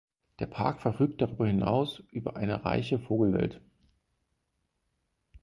Der Park verfügt darüber hinaus über eine reiche Vogelwelt.